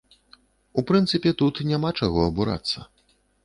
У прынцыпе, тут няма чаго абурацца.